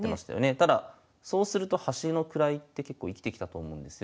ただそうすると端の位って結構生きてきたと思うんですよ。